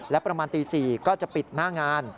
และประมาณตี๔ก็จะปิดหน้างาน